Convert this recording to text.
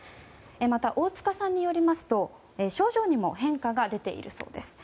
また、大塚さんによりますと症状にも変化が出ているそうです。